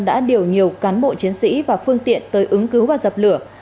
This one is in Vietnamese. đã điều nhiều cán bộ chiến sĩ và phương tiện tới ứng cứu và dập lửa